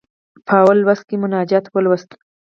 په لومړي لوست کې مناجات ولوست.